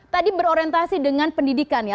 tadi berorientasi dengan pendidikan ya